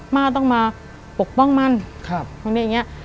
มาต้องมาปกป้องมั่นตรงนี้อย่างนี้